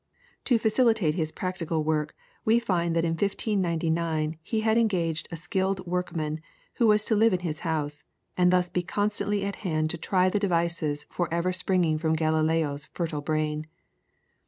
To facilitate his practical work, we find that in 1599 he had engaged a skilled workman who was to live in his house, and thus be constantly at hand to try the devices for ever springing from Galileo's fertile brain.